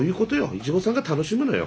いちごさんが楽しむのよ。